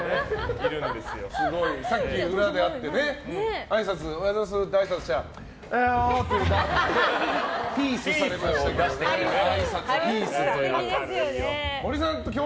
さっき裏で会ってねおはようございますってあいさつしたらピースされましたけどね。